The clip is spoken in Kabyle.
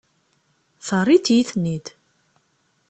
Terriḍ-iyi-ten-id.